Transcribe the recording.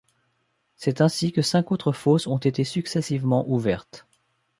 C'est ainsi que cinq autres fosses ont été successivement ouvertes.